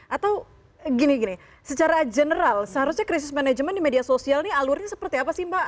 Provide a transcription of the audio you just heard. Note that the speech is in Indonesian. atau gini gini secara general seharusnya krisis manajemen di media sosial ini alurnya seperti apa sih mbak